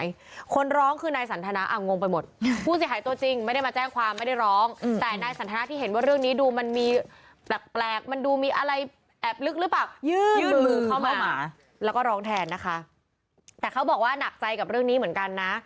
ยื่นมือเข้ามาแล้วก็ร้องแทนนะคะแต่เขาบอกว่านักใจกับเรื่องนี้เหมือนกันนะ